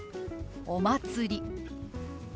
「お祭り」。